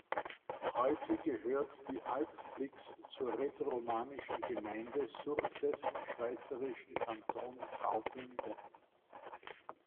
Heute gehört die Alp Flix zur rätoromanischen Gemeinde Surses im schweizerischen Kanton Graubünden.